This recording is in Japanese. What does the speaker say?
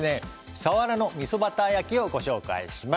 さわらのみそバター焼きをご紹介します。